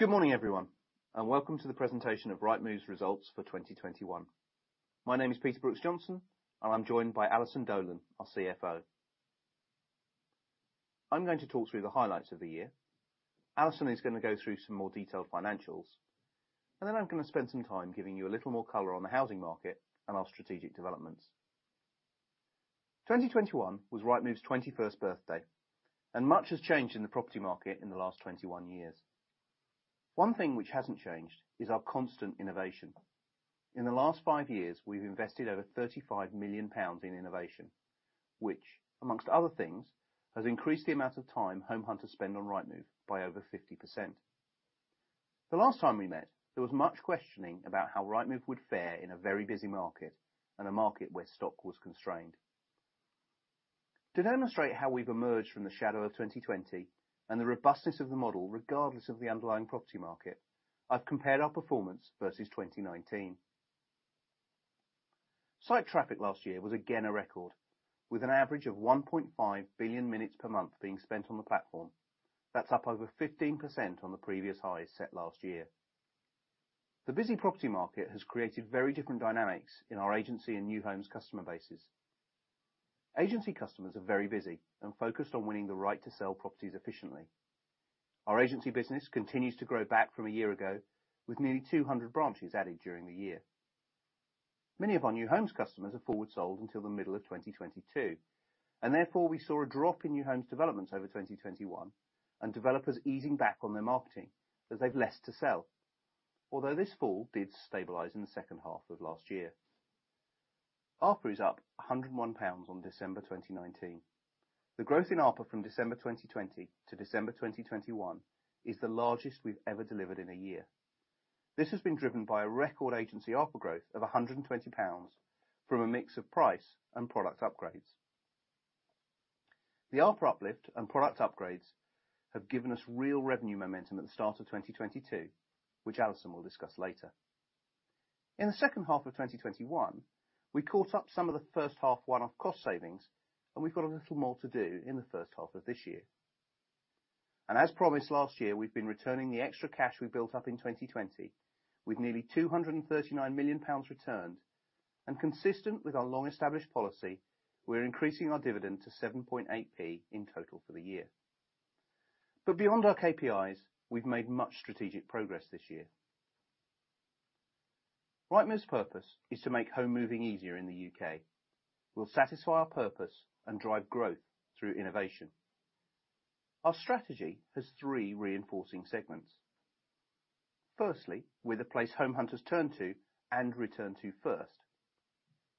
Good morning, everyone, and welcome to the presentation of Rightmove's results for 2021. My name is Peter Brooks-Johnson, and I'm joined by Alison Dolan, our CFO. I'm going to talk through the highlights of the year. Alison is gonna go through some more detailed financials. I'm gonna spend some time giving you a little more color on the housing market and our strategic developments. 2021 was Rightmove's 21st birthday, and much has changed in the property market in the last 21 years. One thing which hasn't changed is our constant innovation. In the last five years, we've invested over 35 million pounds in innovation, which among other things, has increased the amount of time home hunters spend on Rightmove by over 50%. The last time we met, there was much questioning about how Rightmove would fare in a very busy market and a market where stock was constrained. To demonstrate how we've emerged from the shadow of 2020 and the robustness of the model regardless of the underlying property market, I've compared our performance versus 2019. Site traffic last year was again a record, with an average of 1.5 billion minutes per month being spent on the platform. That's up over 15% on the previous highs set last year. The busy property market has created very different dynamics in our agency and new homes customer bases. Agency customers are very busy and focused on winning the right to sell properties efficiently. Our agency business continues to grow back from a year ago with nearly 200 branches added during the year. Many of our new homes customers are forward sold until the middle of 2022, and therefore we saw a drop in new homes developments over 2021 and developers easing back on their marketing as they've less to sell. Although this fall did stabilize in the second half of last year. ARPA is up 101 pounds on December 2019. The growth in ARPA from December 2020 to December 2021 is the largest we've ever delivered in a year. This has been driven by a record agency ARPA growth of 120 pounds from a mix of price and product upgrades. The ARPA uplift and product upgrades have given us real revenue momentum at the start of 2022, which Alison will discuss later. In the second half of 2021, we caught up some of the first half one-off cost savings, and we've got a little more to do in the first half of this year. As promised last year, we've been returning the extra cash we built up in 2020 with nearly 239 million pounds returned. Consistent with our long-established policy, we're increasing our dividend to 7.8p in total for the year. Beyond our KPIs, we've made much strategic progress this year. Rightmove's purpose is to make home moving easier in the U.K. We'll satisfy our purpose and drive growth through innovation. Our strategy has three reinforcing segments. Firstly, we're the place home hunters turn to and return to first.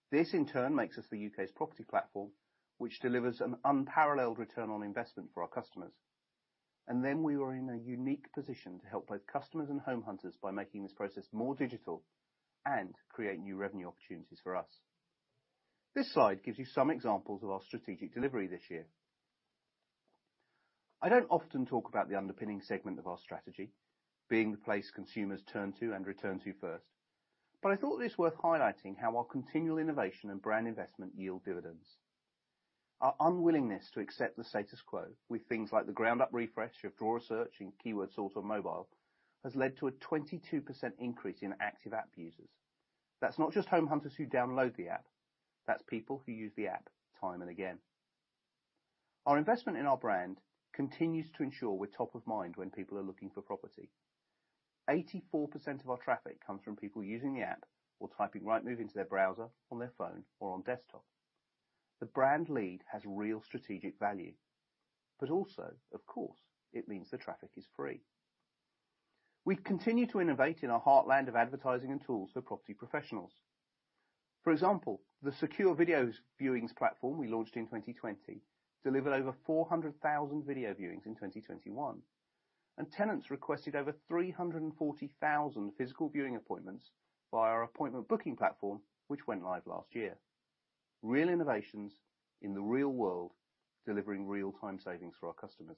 This, in turn, makes us the U.K.'s property platform, which delivers an unparalleled return on investment for our customers. We are in a unique position to help both customers and home hunters by making this process more digital and create new revenue opportunities for us. This slide gives you some examples of our strategic delivery this year. I don't often talk about the underpinning segment of our strategy, being the place consumers turn to and return to first, but I thought it's worth highlighting how our continual innovation and brand investment yield dividends. Our unwillingness to accept the status quo with things like the ground up refresh of Draw A Search and Keyword Sort on mobile has led to a 22% increase in active app users. That's not just home hunters who download the app. That's people who use the app time and again. Our investment in our brand continues to ensure we're top of mind when people are looking for property. 84% of our traffic comes from people using the app or typing Rightmove into their browser on their phone or on desktop. The brand lead has real strategic value, but also, of course, it means the traffic is free. We continue to innovate in our heartland of advertising and tools for property professionals. For example, the secure video viewings platform we launched in 2020 delivered over 400,000 video viewings in 2021, and tenants requested over 340,000 physical viewing appointments via our appointment booking platform, which went live last year. Real innovations in the real world, delivering real time savings for our customers.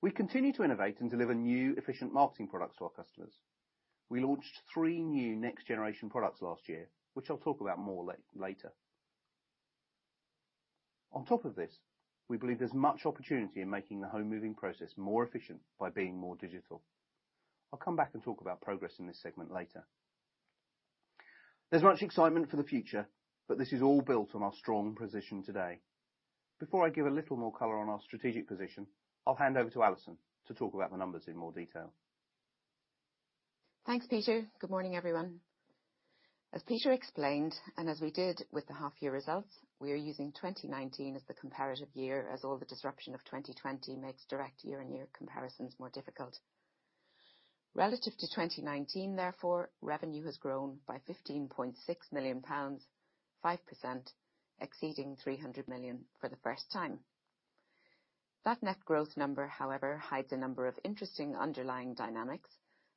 We continue to innovate and deliver new efficient marketing products to our customers. We launched three new next generation products last year, which I'll talk about more later. On top of this, we believe there's much opportunity in making the home moving process more efficient by being more digital. I'll come back and talk about progress in this segment later. There's much excitement for the future, but this is all built on our strong position today. Before I give a little more color on our strategic position, I'll hand over to Alison to talk about the numbers in more detail. Thanks, Peter. Good morning, everyone. As Peter explained, and as we did with the half-year results, we are using 2019 as the comparative year as all the disruption of 2020 makes direct year-on-year comparisons more difficult. Relative to 2019 therefore, revenue has grown by 15.6 million pounds, 5% exceeding 300 million for the first time. That net growth number, however, hides a number of interesting underlying dynamics,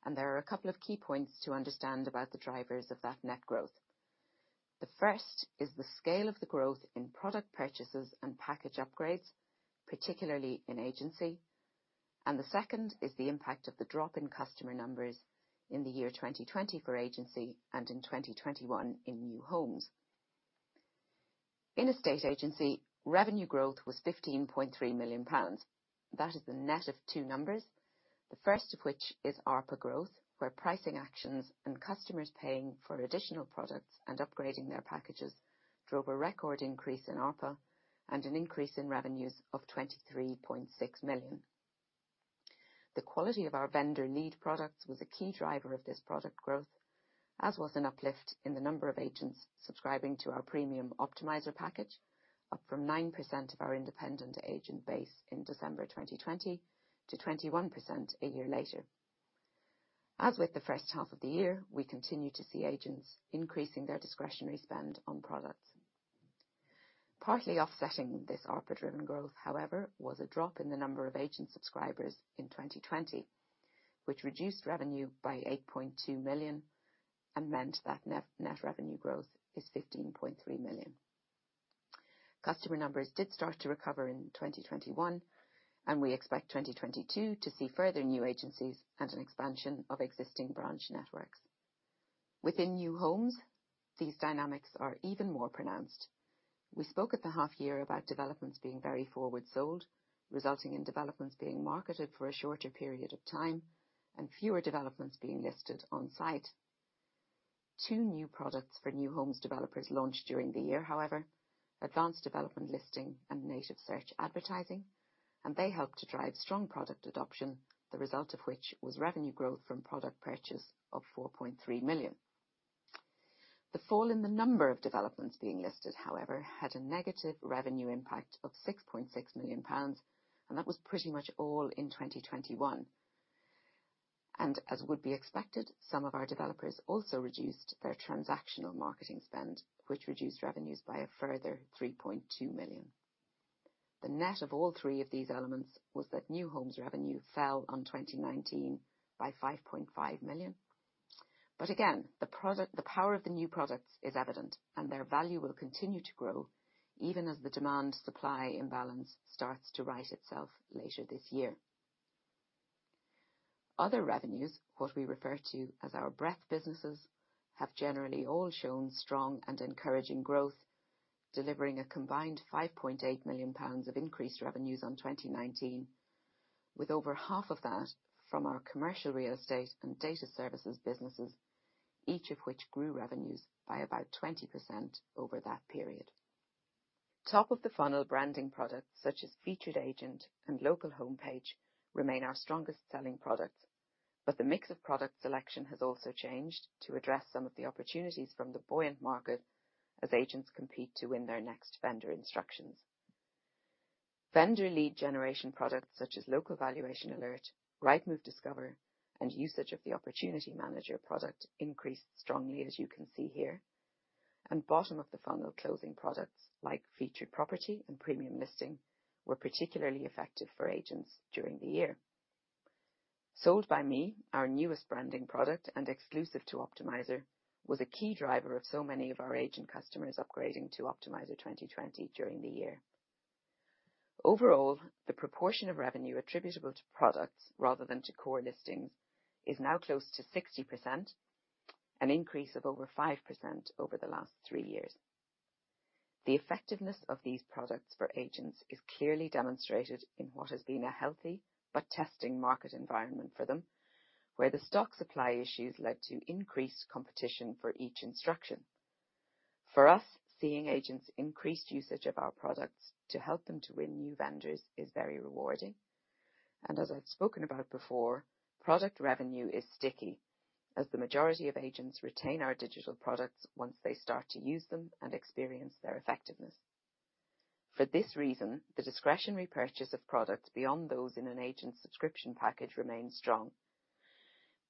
and there are a couple of key points to understand about the drivers of that net growth. The first is the scale of the growth in product purchases and package upgrades, particularly in agency. The second is the impact of the drop in customer numbers in the year 2020 for agency and in 2021 in new homes. In estate agency, revenue growth was 15.3 million pounds. That is the net of two numbers, the first of which is ARPA growth, where pricing actions and customers paying for additional products and upgrading their packages drove a record increase in ARPA and an increase in revenues of 23.6 million. The quality of our vendor lead products was a key driver of this product growth, as was an uplift in the number of agents subscribing to our premium Optimiser package, up from 9% of our independent agent base in December 2020 to 21% a year later. As with the first half of the year, we continue to see agents increasing their discretionary spend on products. Partly offsetting this ARPA-driven growth, however, was a drop in the number of agent subscribers in 2020, which reduced revenue by 8.2 million and meant that net revenue growth is 15.3 million. Customer numbers did start to recover in 2021, and we expect 2022 to see further new agencies and an expansion of existing branch networks. Within new homes, these dynamics are even more pronounced. We spoke at the half year about developments being very forward sold, resulting in developments being marketed for a shorter period of time and fewer developments being listed on site. Two new products for new homes developers launched during the year, however, Advanced Development Listings and Native Search Adverts, and they helped to drive strong product adoption, the result of which was revenue growth from product purchase of 4.3 million. The fall in the number of developments being listed, however, had a negative revenue impact of 6.6 million pounds, and that was pretty much all in 2021. As would be expected, some of our developers also reduced their transactional marketing spend, which reduced revenues by a further 3.2 million. The net of all three of these elements was that new homes revenue fell over 2019 by 5.5 million. Again, the product, the power of the new products is evident, and their value will continue to grow even as the demand supply imbalance starts to right itself later this year. Other revenues, what we refer to as our breadth businesses, have generally all shown strong and encouraging growth, delivering a combined GBP 5.8 million of increased revenues over 2019, with over half of that from our commercial real estate and data services businesses, each of which grew revenues by about 20% over that period. Top of the funnel branding products such as Featured Agent and Local Homepage remain our strongest selling products, but the mix of product selection has also changed to address some of the opportunities from the buoyant market as agents compete to win their next vendor instructions. Vendor lead generation products such as Local Valuation Alert, Rightmove Discover, and usage of the Opportunity Manager product increased strongly, as you can see here. Bottom of the funnel closing products like Featured Property and Premium Listing were particularly effective for agents during the year. Sold By Me, our newest branding product and exclusive to Optimiser, was a key driver of so many of our agent customers upgrading to Optimiser 2020 during the year. Overall, the proportion of revenue attributable to products rather than to core listings is now close to 60%, an increase of over 5% over the last three years. The effectiveness of these products for agents is clearly demonstrated in what has been a healthy but testing market environment for them, where the stock supply issues led to increased competition for each instruction. For us, seeing agents increased usage of our products to help them to win new vendors is very rewarding. As I've spoken about before, product revenue is sticky as the majority of agents retain our digital products once they start to use them and experience their effectiveness. For this reason, the discretionary purchase of products beyond those in an agent's subscription package remains strong.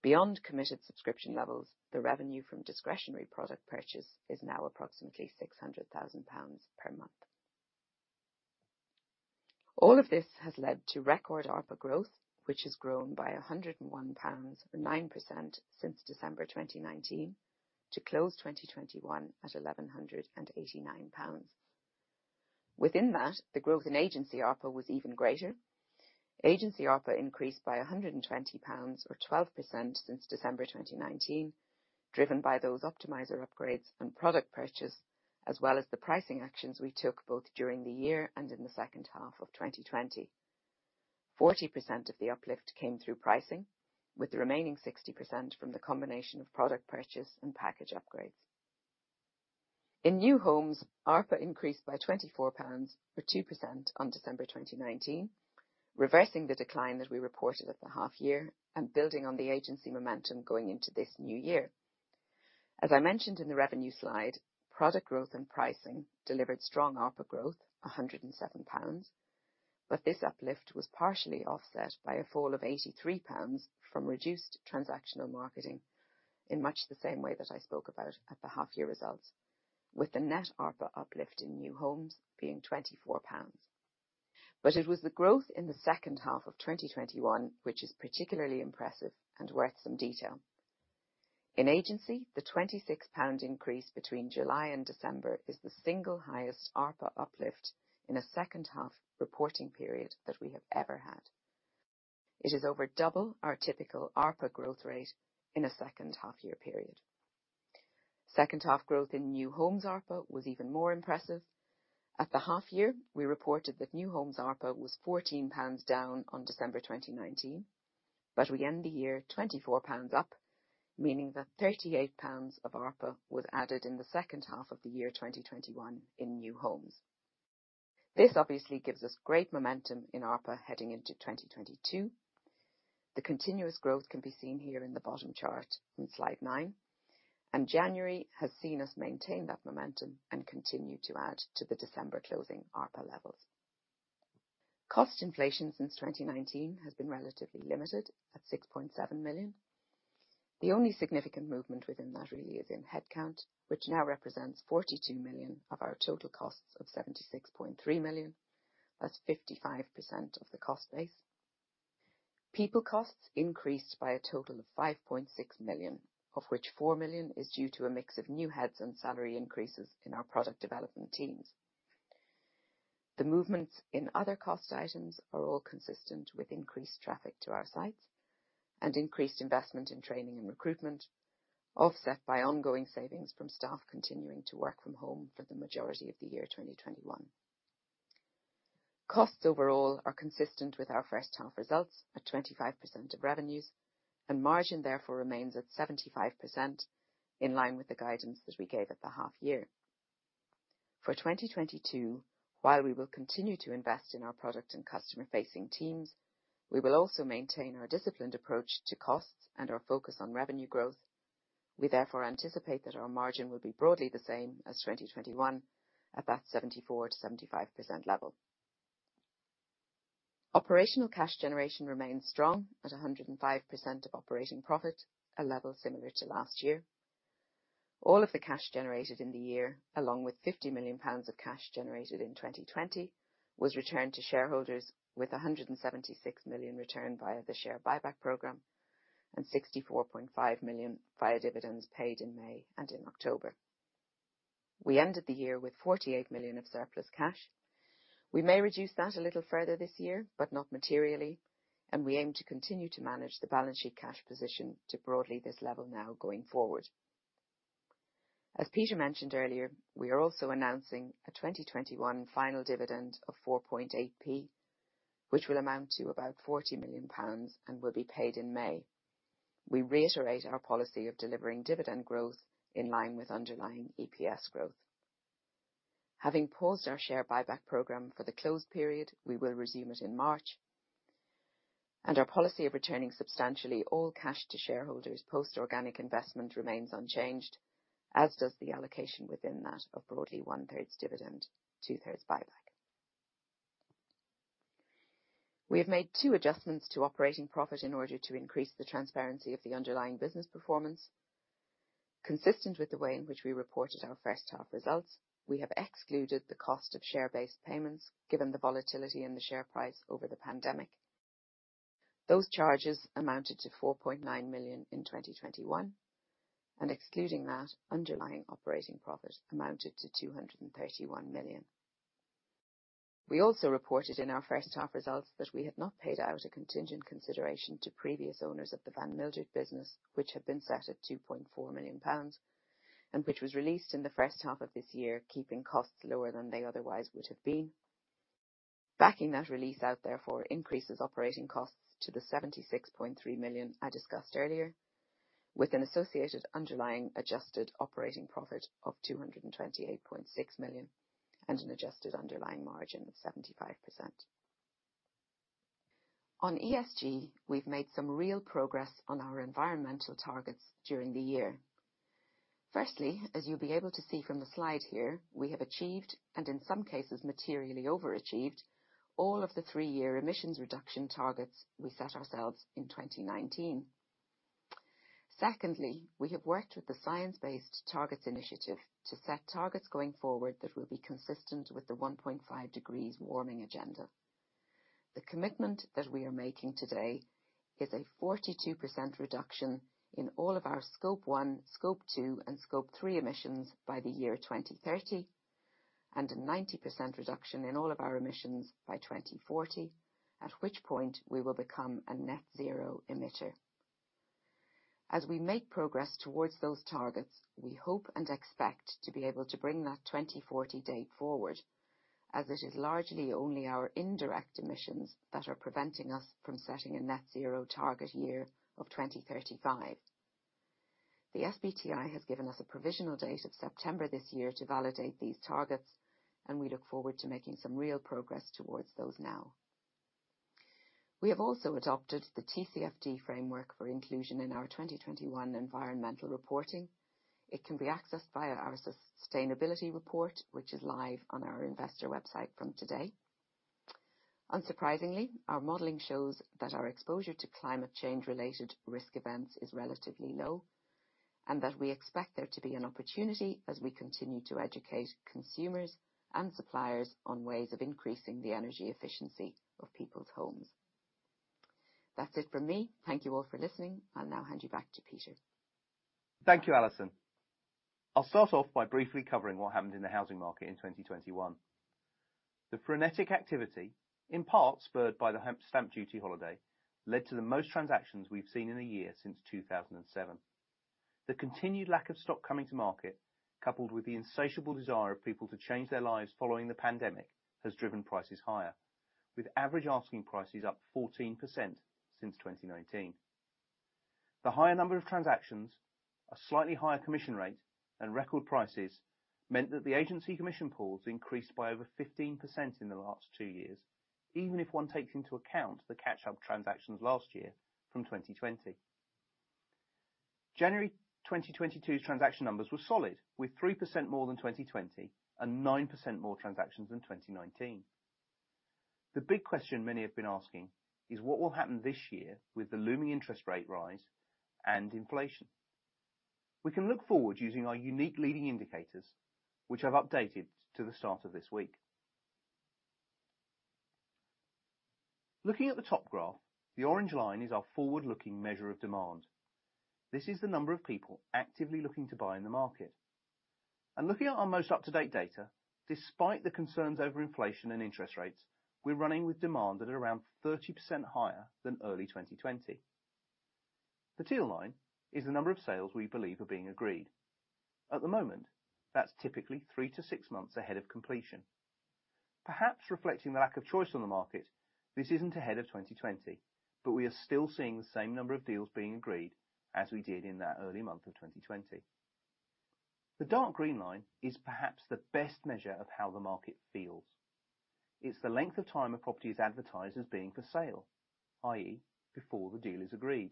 Beyond committed subscription levels, the revenue from discretionary product purchase is now approximately 600,000 pounds per month. All of this has led to record ARPA growth, which has grown by 101 pounds or 9% since December 2019 to close 2021 at 1,189 pounds. Within that, the growth in agency ARPA was even greater. Agency ARPA increased by 120 pounds or 12% since December 2019, driven by those Optimiser upgrades and product purchase, as well as the pricing actions we took both during the year and in the second half of 2020. 40% of the uplift came through pricing, with the remaining 60% from the combination of product purchase and package upgrades. In new homes, ARPA increased by 24 pounds or 2% on December 2019, reversing the decline that we reported at the half year and building on the agency momentum going into this new year. As I mentioned in the revenue slide, product growth and pricing delivered strong ARPA growth, 107 pounds. This uplift was partially offset by a fall of 83 pounds from reduced transactional marketing in much the same way that I spoke about at the half year results, with the net ARPA uplift in new homes being 24 pounds. It was the growth in the second half of 2021, which is particularly impressive and worth some detail. In agency, the 26 pound increase between July and December is the single highest ARPA uplift in a second half reporting period that we have ever had. It is over double our typical ARPA growth rate in a second half-year period. Second half growth in new homes ARPA was even more impressive. At the half year, we reported that new homes ARPA was 14 pounds down on December 2019. We end the year 24 pounds up, meaning that 38 pounds of ARPA was added in the second half of the year 2021 in new homes. This obviously gives us great momentum in ARPA heading into 2022. The continuous growth can be seen here in the bottom chart on slide nine, and January has seen us maintain that momentum and continue to add to the December closing ARPA levels. Cost inflation since 2019 has been relatively limited at 6.7 million. The only significant movement within that really is in headcount, which now represents 42 million of our total costs of 76.3 million. That's 55% of the cost base. People costs increased by a total of 5.6 million, of which 4 million is due to a mix of new heads and salary increases in our product development teams. The movements in other cost items are all consistent with increased traffic to our sites and increased investment in training and recruitment, offset by ongoing savings from staff continuing to work from home for the majority of the year 2021. Costs overall are consistent with our first half results at 25% of revenues, and margin therefore remains at 75% in line with the guidance that we gave at the half year. For 2022, while we will continue to invest in our product and customer facing teams, we will also maintain our disciplined approach to costs and our focus on revenue growth. We therefore anticipate that our margin will be broadly the same as 2021 at that 74%-75% level. Operational cash generation remains strong at 105% of operating profit, a level similar to last year. All of the cash generated in the year, along with 50 million pounds of cash generated in 2020, was returned to shareholders with 176 million returned via the share buyback program and 64.5 million via dividends paid in May and in October. We ended the year with 48 million of surplus cash. We may reduce that a little further this year, but not materially, and we aim to continue to manage the balance sheet cash position to broadly this level now going forward. As Peter mentioned earlier, we are also announcing a 2021 final dividend of 4.8p, which will amount to about 40 million pounds and will be paid in May. We reiterate our policy of delivering dividend growth in line with underlying EPS growth. Having paused our share buyback program for the closed period, we will resume it in March, and our policy of returning substantially all cash to shareholders post organic investment remains unchanged, as does the allocation within that of broadly one third's dividend, two third's buyback. We have made two adjustments to operating profit in order to increase the transparency of the underlying business performance. Consistent with the way in which we reported our first half results, we have excluded the cost of share-based payments, given the volatility in the share price over the pandemic. Those charges amounted to 4.9 million in 2021, and excluding that underlying operating profit amounted to 231 million. We also reported in our first half results that we had not paid out a contingent consideration to previous owners of the Van Mildert business, which had been set at 2.4 million pounds and which was released in the first half of this year, keeping costs lower than they otherwise would have been. Backing that release out therefore, increases operating costs to the 76.3 million I discussed earlier, with an associated underlying adjusted operating profit of 228.6 million and an adjusted underlying margin of 75%. On ESG, we've made some real progress on our environmental targets during the year. Firstly, as you'll be able to see from the slide here, we have achieved, and in some cases materially overachieved, all of the three-year emissions reduction targets we set ourselves in 2019. Secondly, we have worked with the Science Based Targets initiative to set targets going forward that will be consistent with the 1.5 degrees warming agenda. The commitment that we are making today is a 42% reduction in all of our Scope 1, Scope 2, and Scope 3 emissions by the year 2030, and a 90% reduction in all of our emissions by 2040, at which point we will become a net zero emitter. As we make progress towards those targets, we hope and expect to be able to bring that 2040 date forward, as it is largely only our indirect emissions that are preventing us from setting a net zero target year of 2035. The SBTi has given us a provisional date of September this year to validate these targets, and we look forward to making some real progress towards those now. We have also adopted the TCFD framework for inclusion in our 2021 environmental reporting. It can be accessed via our sustainability report, which is live on our investor website from today. Unsurprisingly, our modeling shows that our exposure to climate change related risk events is relatively low, and that we expect there to be an opportunity as we continue to educate consumers and suppliers on ways of increasing the energy efficiency of people's homes. That's it from me. Thank you all for listening. I'll now hand you back to Peter. Thank you, Alison. I'll start off by briefly covering what happened in the housing market in 2021. The frenetic activity, in part spurred by the stamp duty holiday, led to the most transactions we've seen in a year since 2007. The continued lack of stock coming to market, coupled with the insatiable desire of people to change their lives following the pandemic, has driven prices higher, with average asking prices up 14% since 2019. The higher number of transactions, a slightly higher commission rate, and record prices meant that the agency commission pools increased by over 15% in the last two years, even if one takes into account the catch-up transactions last year from 2020. January 2022's transaction numbers were solid, with 3% more than 2020 and 9% more transactions than 2019. The big question many have been asking is what will happen this year with the looming interest rate rise and inflation? We can look forward using our unique leading indicators, which I've updated to the start of this week. Looking at the top graph, the orange line is our forward-looking measure of demand. This is the number of people actively looking to buy in the market. Looking at our most up-to-date data, despite the concerns over inflation and interest rates, we're running with demand at around 30% higher than early 2020. The teal line is the number of sales we believe are being agreed. At the moment, that's typically three to six months ahead of completion. Perhaps reflecting the lack of choice on the market, this isn't ahead of 2020, but we are still seeing the same number of deals being agreed as we did in that early month of 2020. The dark green line is perhaps the best measure of how the market feels. It's the length of time a property is advertised as being for sale, i.e., before the deal is agreed.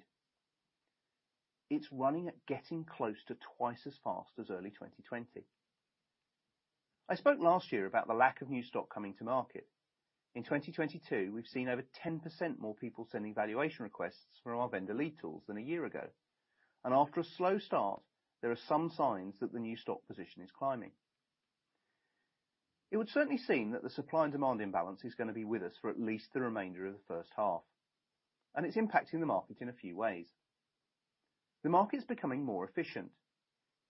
It's running at getting close to twice as fast as early 2020. I spoke last year about the lack of new stock coming to market. In 2022, we've seen over 10% more people sending valuation requests from our vendor lead tools than a year ago. After a slow start, there are some signs that the new stock position is climbing. It would certainly seem that the supply and demand imbalance is gonna be with us for at least the remainder of the first half, and it's impacting the market in a few ways. The market is becoming more efficient.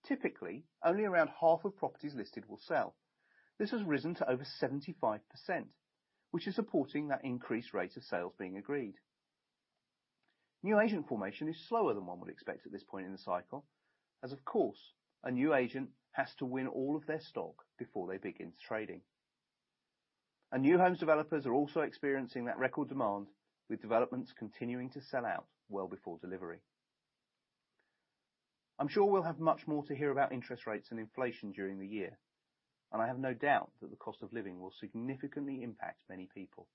Typically, only around half of properties listed will sell. This has risen to over 75%, which is supporting that increased rate of sales being agreed. New agent formation is slower than one would expect at this point in the cycle as, of course, a new agent has to win all of their stock before they begin trading. New homes developers are also experiencing that record demand, with developments continuing to sell out well before delivery. I'm sure we'll have much more to hear about interest rates and inflation during the year, and I have no doubt that the cost of living will significantly impact many people.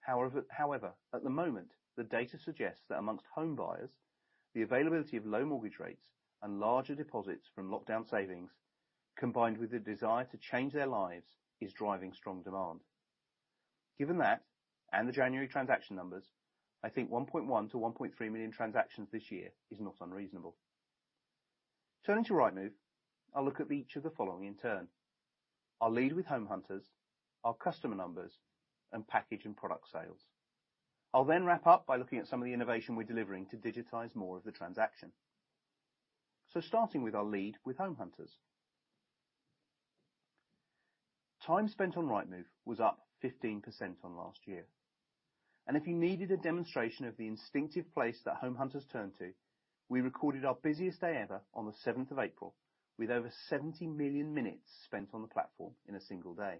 However, at the moment, the data suggests that among home buyers, the availability of low mortgage rates and larger deposits from lockdown savings, combined with the desire to change their lives, is driving strong demand. Given that and the January transaction numbers, I think 1.1 million-1.3 million transactions this year is not unreasonable. Turning to Rightmove, I'll look at each of the following in turn. I'll lead with home hunters, our customer numbers, and package and product sales. I'll then wrap up by looking at some of the innovation we're delivering to digitize more of the transaction. Starting with our lead with home hunters. Time spent on Rightmove was up 15% on last year. If you needed a demonstration of the instinctive place that home hunters turn to, we recorded our busiest day ever on the seventh of April with over 70 million minutes spent on the platform in a single day.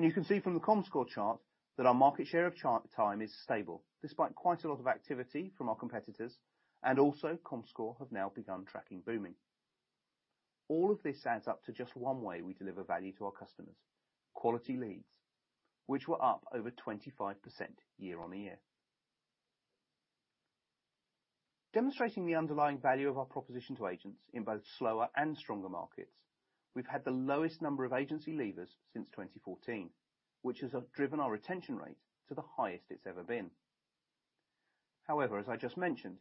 You can see from the Comscore chart that our market share of time is stable despite quite a lot of activity from our competitors, and also Comscore have now begun tracking Boomin. All of this adds up to just one way we deliver value to our customers, quality leads, which were up over 25% year-over-year. Demonstrating the underlying value of our proposition to agents in both slower and stronger markets, we've had the lowest number of agency leavers since 2014, which has driven our retention rate to the highest it's ever been. However, as I just mentioned,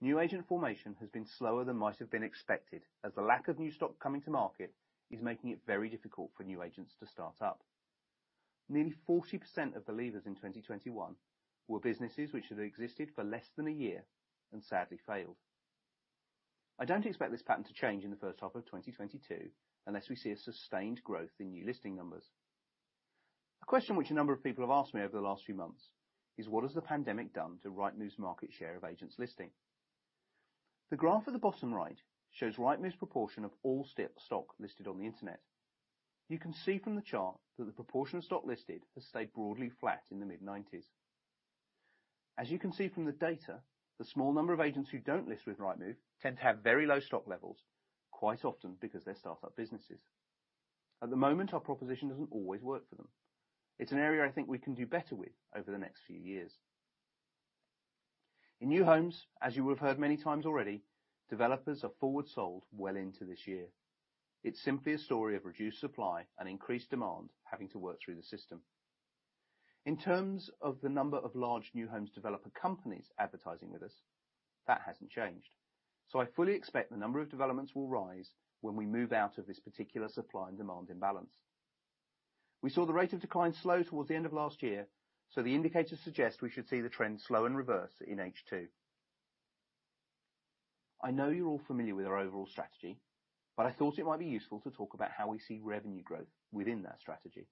new agent formation has been slower than might have been expected, as the lack of new stock coming to market is making it very difficult for new agents to start up. Nearly 40% of the leavers in 2021 were businesses which had existed for less than a year and sadly failed. I don't expect this pattern to change in the first half of 2022 unless we see a sustained growth in new listing numbers. A question which a number of people have asked me over the last few months is: What has the pandemic done to Rightmove's market share of agents listing? The graph at the bottom right shows Rightmove's proportion of all stock listed on the Internet. You can see from the chart that the proportion of stock listed has stayed broadly flat in the mid 1990s. As you can see from the data, the small number of agents who don't list with Rightmove tend to have very low stock levels, quite often because they're start-up businesses. At the moment, our proposition doesn't always work for them. It's an area I think we can do better with over the next few years. In new homes, as you would have heard many times already, developers are forward sold well into this year. It's simply a story of reduced supply and increased demand having to work through the system. In terms of the number of large new homes developer companies advertising with us, that hasn't changed. I fully expect the number of developments will rise when we move out of this particular supply and demand imbalance. We saw the rate of decline slow towards the end of last year, so the indicators suggest we should see the trend slow and reverse in H2. I know you're all familiar with our overall strategy, but I thought it might be useful to talk about how we see revenue growth within that strategy.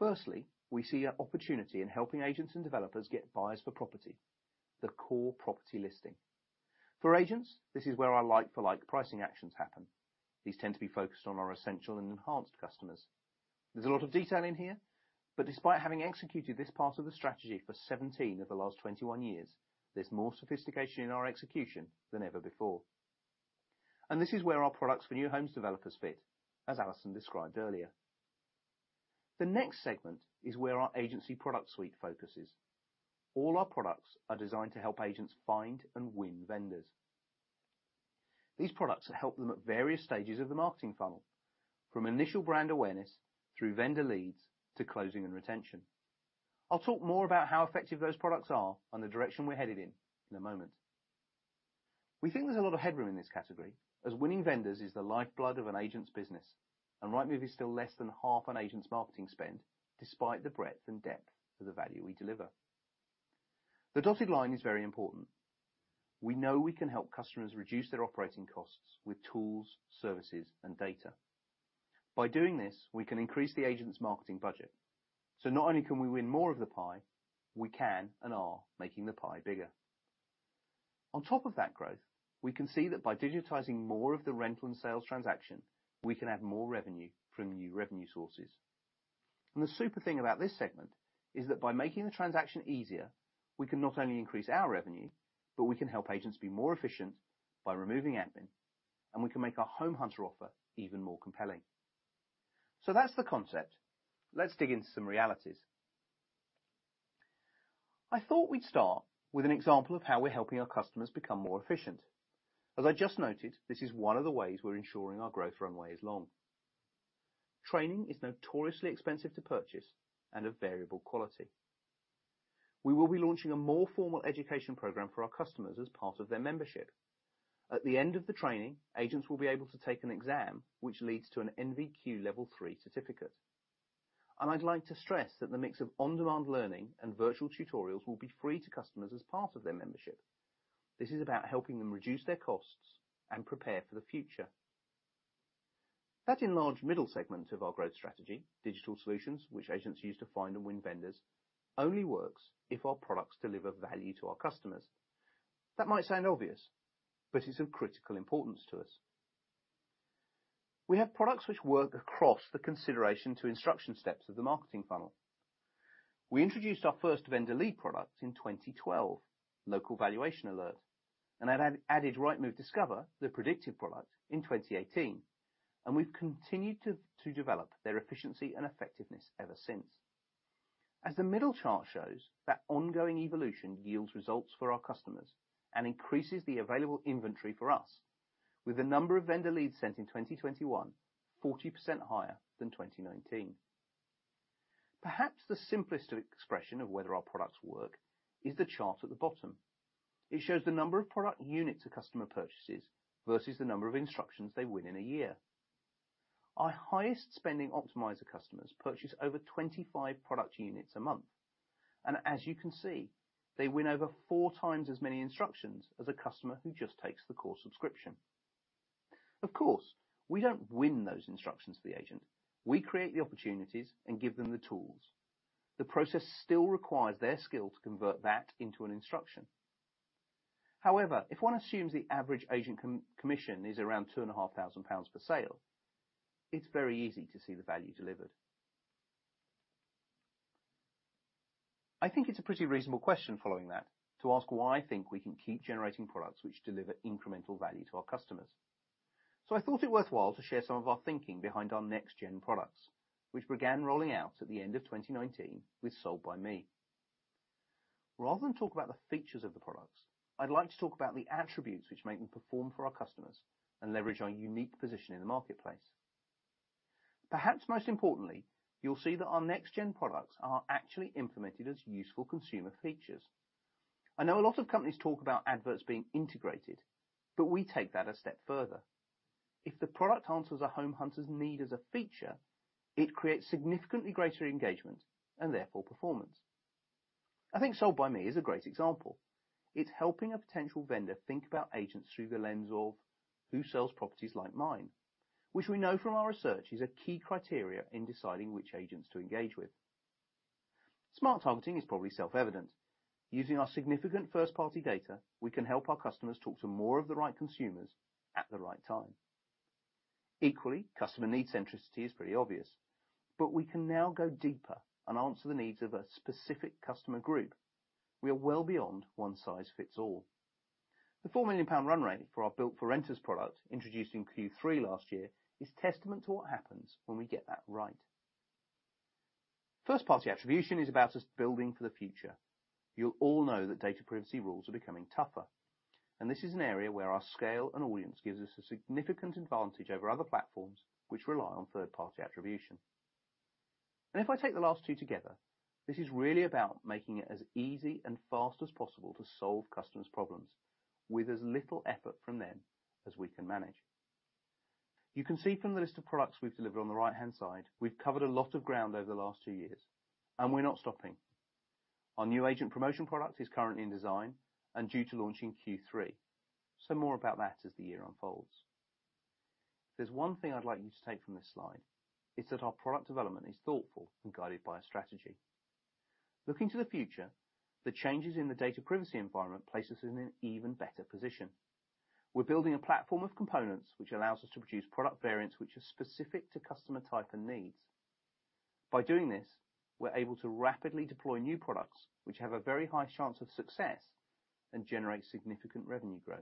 Firstly, we see an opportunity in helping agents and developers get buyers for property, the core property listing. For agents, this is where our like-for-like pricing actions happen. These tend to be focused on our Essential and Enhanced customers. There's a lot of detail in here, but despite having executed this part of the strategy for 17 of the last 21 years, there's more sophistication in our execution than ever before. This is where our products for new homes developers fit, as Alison described earlier. The next segment is where our agency product suite focuses. All our products are designed to help agents find and win vendors. These products help them at various stages of the marketing funnel, from initial brand awareness through vendor leads to closing and retention. I'll talk more about how effective those products are and the direction we're headed in in a moment. We think there's a lot of headroom in this category, as winning vendors is the lifeblood of an agent's business, and Rightmove is still less than half an agent's marketing spend despite the breadth and depth of the value we deliver. The dotted line is very important. We know we can help customers reduce their operating costs with tools, services, and data. By doing this, we can increase the agent's marketing budget. Not only can we win more of the pie, we can and are making the pie bigger. On top of that growth, we can see that by digitizing more of the rental and sales transaction, we can add more revenue from new revenue sources. The super thing about this segment is that by making the transaction easier, we can not only increase our revenue, but we can help agents be more efficient by removing admin, and we can make our home hunter offer even more compelling. That's the concept. Let's dig into some realities. I thought we'd start with an example of how we're helping our customers become more efficient. As I just noted, this is one of the ways we're ensuring our growth runway is long. Training is notoriously expensive to purchase and of variable quality. We will be launching a more formal education program for our customers as part of their membership. At the end of the training, agents will be able to take an exam which leads to an NVQ level three certificate. I'd like to stress that the mix of on-demand learning and virtual tutorials will be free to customers as part of their membership. This is about helping them reduce their costs and prepare for the future. That enlarged middle segment of our growth strategy, digital solutions, which agents use to find and win vendors, only works if our products deliver value to our customers. That might sound obvious, but it's of critical importance to us. We have products which work across the consideration to instruction steps of the marketing funnel. We introduced our first vendor lead product in 2012, Local Valuation Alert, and have added Rightmove Discover, the predictive product, in 2018, and we've continued to develop their efficiency and effectiveness ever since. As the middle chart shows, that ongoing evolution yields results for our customers and increases the available inventory for us, with the number of vendor leads sent in 2021 40% higher than 2019. Perhaps the simplest expression of whether our products work is the chart at the bottom. It shows the number of product units a customer purchases versus the number of instructions they win in a year. Our highest spending Optimiser customers purchase over 25 product units a month. As you can see, they win over four times as many instructions as a customer who just takes the core subscription. Of course, we don't win those instructions to the agent. We create the opportunities and give them the tools. The process still requires their skill to convert that into an instruction. However, if one assumes the average agent commission is around 2,500 per sale, it's very easy to see the value delivered. I think it's a pretty reasonable question following that to ask why I think we can keep generating products which deliver incremental value to our customers. I thought it worthwhile to share some of our thinking behind our next gen products, which began rolling out at the end of 2019 with Sold By Me. Rather than talk about the features of the products, I'd like to talk about the attributes which make them perform for our customers and leverage our unique position in the marketplace. Perhaps most importantly, you'll see that our next-gen products are actually implemented as useful consumer features. I know a lot of companies talk about adverts being integrated, but we take that a step further. If the product answers a home hunter's need as a feature, it creates significantly greater engagement and therefore performance. I think Sold By Me is a great example. It's helping a potential vendor think about agents through the lens of who sells properties like mine, which we know from our research is a key criteria in deciding which agents to engage with. Smart targeting is probably self-evident. Using our significant first-party data, we can help our customers talk to more of the right consumers at the right time. Equally, customer need centricity is pretty obvious, but we can now go deeper and answer the needs of a specific customer group. We are well beyond one size fits all. The 4 million pound run rate for our Built for Renters product, introduced in Q3 last year, is testament to what happens when we get that right. First-party attribution is about us building for the future. You'll all know that data privacy rules are becoming tougher, and this is an area where our scale and audience gives us a significant advantage over other platforms which rely on third-party attribution. If I take the last two together, this is really about making it as easy and fast as possible to solve customers' problems with as little effort from them as we can manage. You can see from the list of products we've delivered on the right-hand side, we've covered a lot of ground over the last two years, and we're not stopping. Our new agent promotion product is currently in design and due to launch in Q3. More about that as the year unfolds. If there's one thing I'd like you to take from this slide, it's that our product development is thoughtful and guided by a strategy. Looking to the future, the changes in the data privacy environment place us in an even better position. We're building a platform of components which allows us to produce product variants which are specific to customer type and needs. By doing this, we're able to rapidly deploy new products which have a very high chance of success and generate significant revenue growth.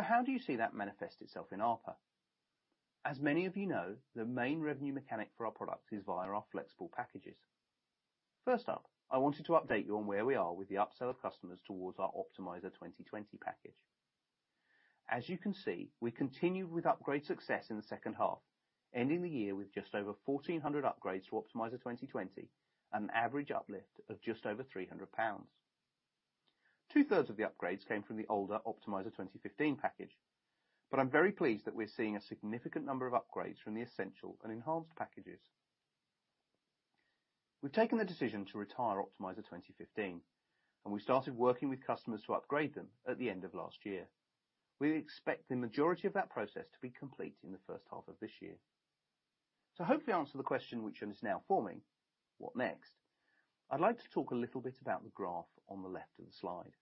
How do you see that manifest itself in ARPA? As many of you know, the main revenue mechanic for our product is via our flexible packages. First up, I wanted to update you on where we are with the upsell of customers towards our Optimiser 2020 package. As you can see, we continue with upgrade success in the second half, ending the year with just over 1,400 upgrades to Optimiser 2020 at an average uplift of just over 300 pounds. Two-thirds of the upgrades came from the older Optimiser 2015 package. I'm very pleased that we're seeing a significant number of upgrades from the Essential and Enhanced packages. We've taken the decision to retire Optimiser 2015, and we started working with customers to upgrade them at the end of last year. We expect the majority of that process to be complete in the first half of this year. To hopefully answer the question which is now forming, what next? I'd like to talk a little bit about the graph on the left of the slide.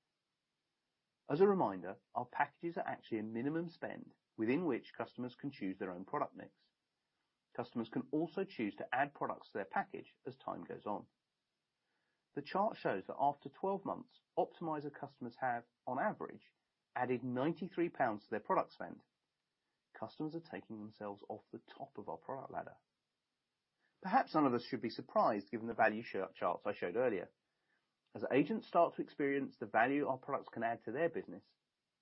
As a reminder, our packages are actually a minimum spend within which customers can choose their own product mix. Customers can also choose to add products to their package as time goes on. The chart shows that after 12 months, Optimiser customers have, on average, added 93 pounds to their product spend. Customers are taking themselves off the top of our product ladder. Perhaps none of us should be surprised, given the value, the charts I showed earlier. As agents start to experience the value our products can add to their business,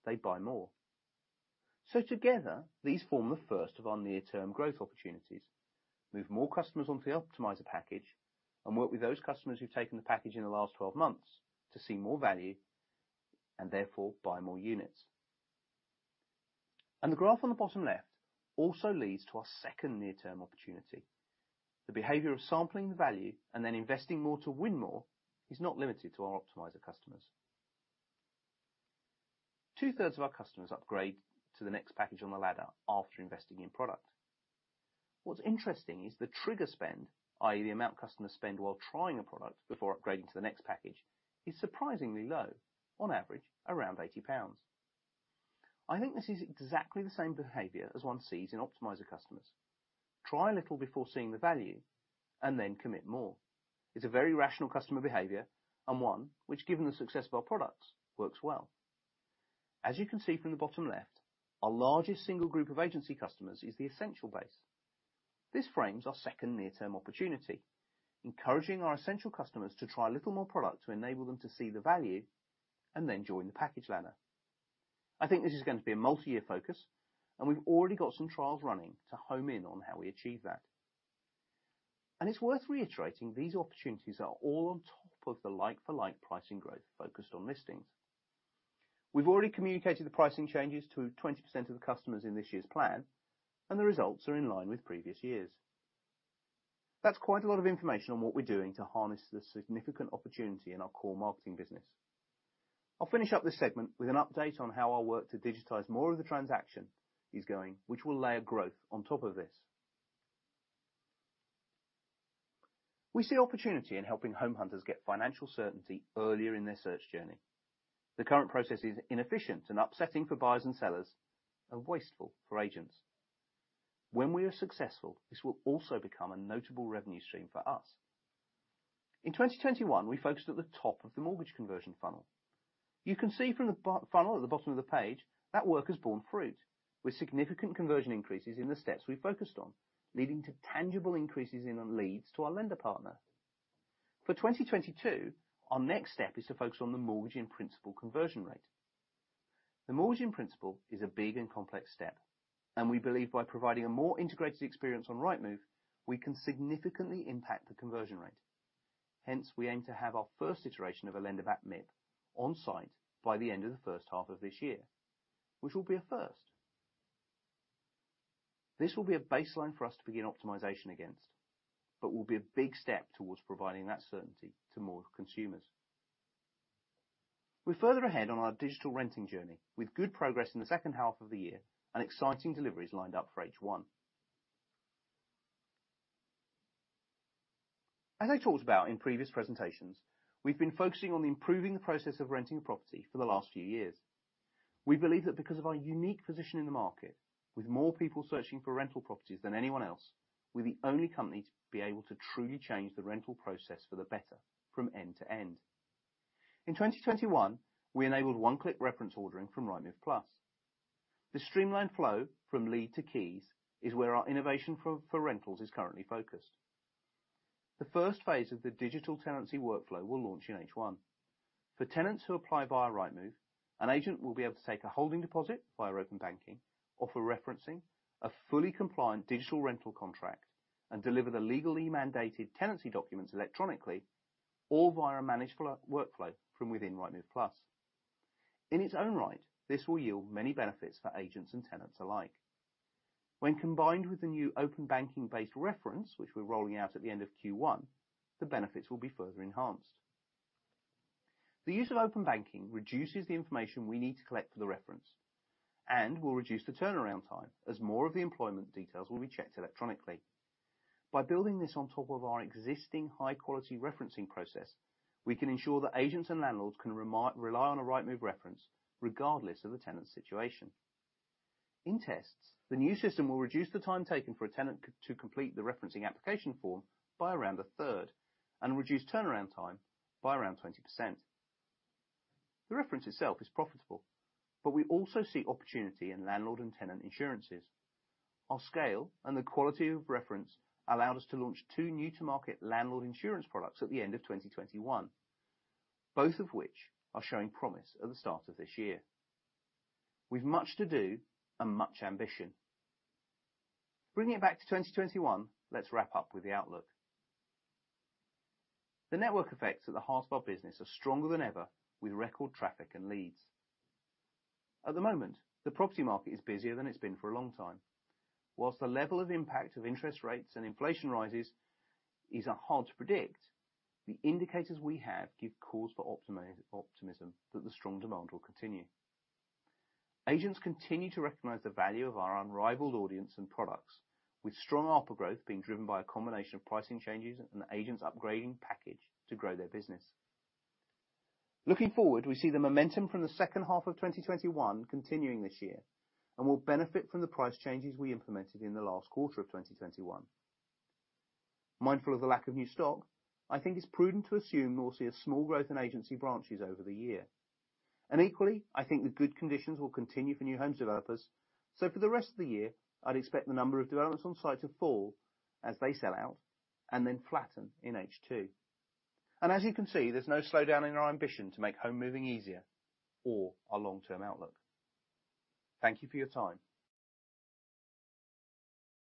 they buy more. Together, these form the first of our near-term growth opportunities. Move more customers onto the Optimiser package and work with those customers who've taken the package in the last 12 months to see more value and therefore buy more units. The graph on the bottom left also leads to our second near-term opportunity. The behavior of sampling the value and then investing more to win more is not limited to our Optimiser customers. Two-thirds of our customers upgrade to the next package on the ladder after investing in product. What's interesting is the trigger spend, i.e., the amount customers spend while trying a product before upgrading to the next package, is surprisingly low, on average, around 80 pounds. I think this is exactly the same behavior as one sees in Optimiser customers. Try a little before seeing the value and then commit more. It's a very rational customer behavior and one which, given the success of our products, works well. As you can see from the bottom left, our largest single group of agency customers is the Essential base. This frames our second near-term opportunity, encouraging our Essential customers to try a little more product to enable them to see the value and then join the package ladder. I think this is going to be a multi-year focus, and we've already got some trials running to home in on how we achieve that. It's worth reiterating these opportunities are all on top of the like-for-like pricing growth focused on listings. We've already communicated the pricing changes to 20% of the customers in this year's plan, and the results are in line with previous years. That's quite a lot of information on what we're doing to harness the significant opportunity in our core marketing business. I'll finish up this segment with an update on how our work to digitize more of the transaction is going, which will layer growth on top of this. We see opportunity in helping home hunters get financial certainty earlier in their search journey. The current process is inefficient and upsetting for buyers and sellers and wasteful for agents. When we are successful, this will also become a notable revenue stream for us. In 2021, we focused at the top of the mortgage conversion funnel. You can see from the bottom funnel at the bottom of the page that work has borne fruit with significant conversion increases in the steps we focused on, leading to tangible increases in leads to our lender partner. For 2022, our next step is to focus on the mortgage in principle conversion rate. The mortgage in principle is a big and complex step, and we believe by providing a more integrated experience on Rightmove, we can significantly impact the conversion rate. Hence, we aim to have our first iteration of a lender that MIP on-site by the end of the first half of this year, which will be a first. This will be a baseline for us to begin optimization against, but will be a big step towards providing that certainty to more consumers. We're further ahead on our digital renting journey with good progress in the second half of the year and exciting deliveries lined up for H1. As I talked about in previous presentations, we've been focusing on improving the process of renting a property for the last few years. We believe that because of our unique position in the market, with more people searching for rental properties than anyone else, we're the only company to be able to truly change the rental process for the better from end to end. In 2021, we enabled one-click reference ordering from Rightmove Plus. The streamlined flow from lead to keys is where our innovation for rentals is currently focused. The first phase of the digital tenancy workflow will launch in H1. For tenants who apply via Rightmove, an agent will be able to take a holding deposit via Open Banking, offer referencing, a fully compliant digital rental contract, and deliver the legally mandated tenancy documents electronically, all via a managed flow workflow from within Rightmove Plus. In its own right, this will yield many benefits for agents and tenants alike. When combined with the new Open Banking-based reference, which we're rolling out at the end of Q1, the benefits will be further enhanced. The use of Open Banking reduces the information we need to collect for the reference and will reduce the turnaround time as more of the employment details will be checked electronically. By building this on top of our existing high-quality referencing process, we can ensure that agents and landlords can rely on a Rightmove reference regardless of the tenant's situation. In tests, the new system will reduce the time taken for a tenant to complete the referencing application form by around a third, and reduce turnaround time by around 20%. The reference itself is profitable, but we also see opportunity in landlord and tenant insurances. Our scale and the quality of reference allowed us to launch two new-to-market landlord insurance products at the end of 2021, both of which are showing promise at the start of this year. We've much to do and much ambition. Bringing it back to 2021, let's wrap up with the outlook. The network effects at the heart of our business are stronger than ever with record traffic and leads. At the moment, the property market is busier than it's been for a long time. Whilst the level of impact of interest rates and inflation rises is hard to predict, the indicators we have give cause for optimism that the strong demand will continue. Agents continue to recognize the value of our unrivaled audience and products with strong offer growth being driven by a combination of pricing changes and the agents upgrading package to grow their business. Looking forward, we see the momentum from the second half of 2021 continuing this year, and will benefit from the price changes we implemented in the last quarter of 2021. Mindful of the lack of new stock, I think it's prudent to assume we'll see a small growth in agency branches over the year. Equally, I think the good conditions will continue for new homes developers. For the rest of the year, I'd expect the number of developments on site to fall as they sell out and then flatten in H2. As you can see, there's no slowdown in our ambition to make home moving easier or our long-term outlook. Thank you for your time.